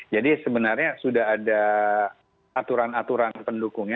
jadi sebenarnya sudah ada aturan aturan pendukungnya